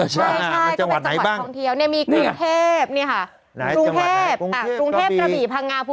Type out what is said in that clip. ใช่ก็เป็นจังหวัดท้องเที่ยวมีกรุงเทพ